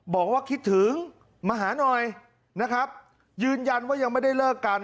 บอกว่าคิดถึงมาหาหน่อยนะครับยืนยันว่ายังไม่ได้เลิกกัน